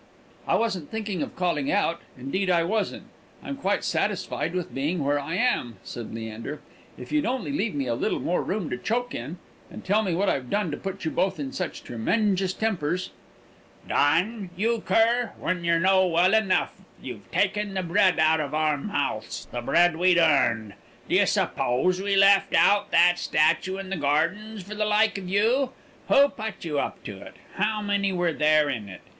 "I wasn't thinking of calling out, indeed I wasn't. I'm quite satisfied with being where I am," said Leander, "if you'd only leave me a little more room to choke in, and tell me what I've done to put you both in such tremenjous tempers." "Done? You cur, when yer know well enough you've taken the bread out of our mouths the bread we'd earned! D'ye suppose we left out that statue in the gardens for the like of you? Who put you up to it? How many were there in it?